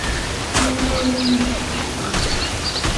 হুম, বলুন।